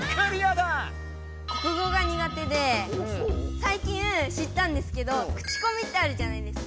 さいきん知ったんですけど「口コミ」ってあるじゃないですか。